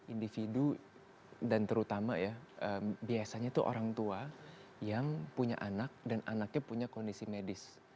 individu dan terutama ya biasanya itu orang tua yang punya anak dan anaknya punya kondisi medis